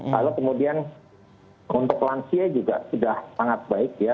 lalu kemudian untuk lansia juga sudah sangat baik ya